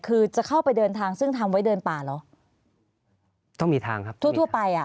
คือจะเข้าไปเดินทางซึ่งทำไว้เดินป่าเหรอต้องมีทางครับทั่วทั่วไปอ่ะ